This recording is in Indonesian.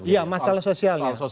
iya masalah sosial